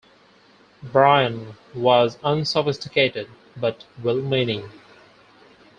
Brian was unsophisticated but well-meaning.